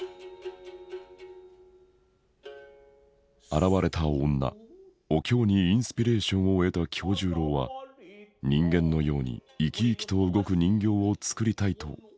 現れた女お京にインスピレーションを得た今日十郎は人間のように生き生きと動く人形を作りたいと思うようになる。